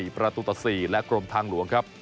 ประตูต่อ๔และกรมทางหลวงครับ